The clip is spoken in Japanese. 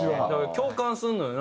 共感するのよな。